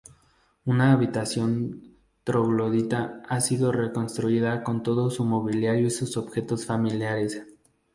Una habitación troglodita ha sido reconstruida con todo su mobiliario y sus objetos familiares.